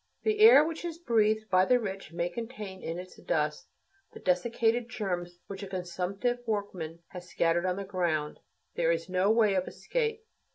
The air which is breathed by the rich may contain in its dust the desiccated germs which a consumptive workman has scattered on the ground. There is no way of escape.